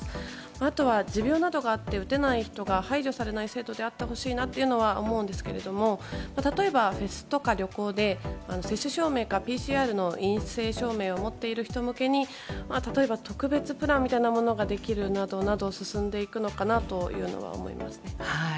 あとは持病などがあって打てない人が排除されない制度であってほしいなとは思いますが例えば、フェスとか旅行で接種証明かＰＣＲの陰性証明を持っている人向けに例えば特別プランみたいなものができるなどなど進んでいくのかなというのは思いますね。